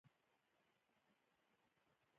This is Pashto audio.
ایا ستاسو اوږې به قوي نه وي؟